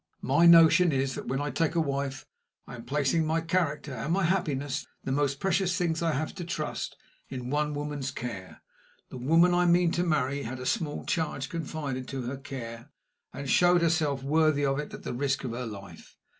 "My notion is, that when I take a wife I am placing my character and my happiness the most precious things I have to trust in one woman's care. The woman I mean to marry had a small charge confided to her care, and showed herself worthy of it at the risk of her life.